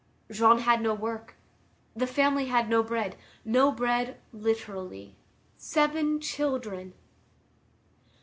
Jean had no work. The family had no bread. No bread literally. Seven children!